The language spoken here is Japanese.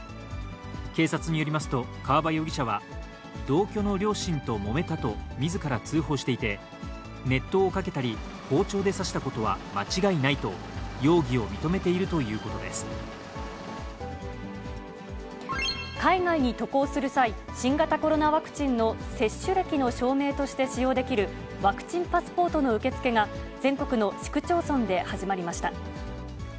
警察によりますと、川場容疑者は、同居の両親ともめたとみずから通報していて、熱湯をかけたり、包丁で刺したことは間違いないと、海外に渡航する際、新型コロナワクチンの接種歴の証明として使用できるワクチンパスポートの受け付けが、全国の市区町村で始まりました。